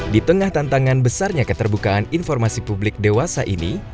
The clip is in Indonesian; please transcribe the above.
di tengah tantangan besarnya keterbukaan informasi publik dewasa ini